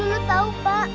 lu tahu pak